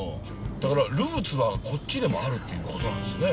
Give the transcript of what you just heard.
だからルーツはこっちでもあるっていうことなんですね。